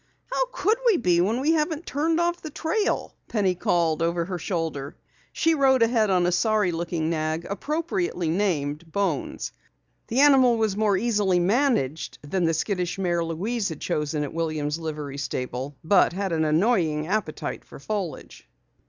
"How could we be, when we haven't turned off the trail?" Penny called over her shoulder. She rode ahead on a sorry looking nag appropriately named Bones. The animal was more easily managed than the skittish mare Louise had chosen at Williams' Livery Stable, but had an annoying appetite for foliage.